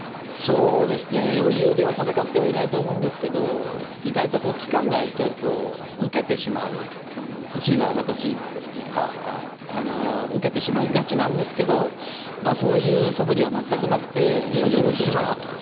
余裕では戦ってはいないと思うんですけど、意外と期間が空いちゃうと受けてしまう、１位の上がったチームは、受けてしまいがちなんですけど、そういうそぶりは全くなくて。